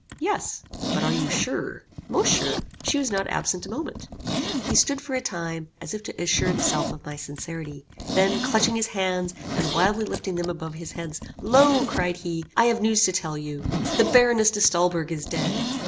"Yes." "But are you sure?" "Most sure. She was not absent a moment." He stood, for a time, as if to assure himself of my sincerity. Then, clinching his hands, and wildly lifting them above his head, "Lo," cried he, "I have news to tell you. The Baroness de Stolberg is dead?"